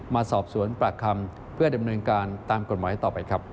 มาสอบสวนปากคำเพื่อดำเนินการตามกฎหมายต่อไปครับ